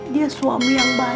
dia suami yang baik